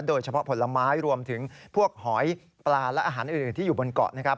โดยเฉพาะผลไม้รวมถึงพวกหอยปลาและอาหารอื่นที่อยู่บนเกาะ